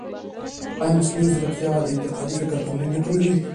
ایا مصنوعي ځیرکتیا د انتقادي فکر تمرین نه کموي؟